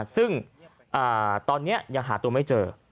ซึ่งตอนนี้ยังหาตัวไม่เจอ